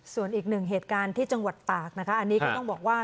ส่วนอีกหนึ่งเหตุการณ์ที่จังหวัดตากนะคะอันนี้ก็ต้องบอกว่า